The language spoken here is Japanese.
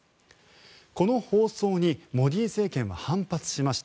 この放送にモディ政権は反発しました。